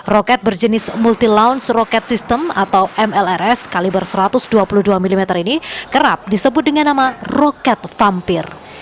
roket berjenis multi launch rocket system atau mlrs kaliber satu ratus dua puluh dua mm ini kerap disebut dengan nama roket vampir